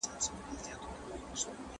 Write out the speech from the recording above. ¬ په خوله ﻻاله الاالله، په زړه غلا.